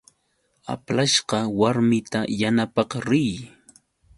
Aplashqa warmita yanapaq riy.